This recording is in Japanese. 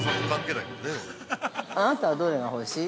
◆あなたはどれが欲しい。